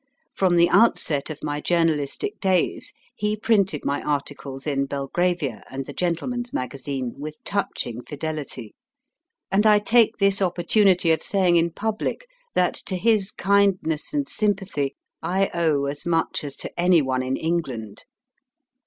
From the outset of my journalistic days, he printed my articles in Belgravia and the Gentleman s Magazine \vith 48 MY FIXST BOOK touching fidelity ; and I take this opportunity of saying in public that to his kindness and sympathy I owe as much as to anyone in England.